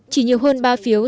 chỉ nhiều hơn ba phiếu